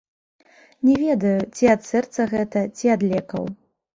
Не ведаю, ці ад сэрца гэта, ці ад лекаў.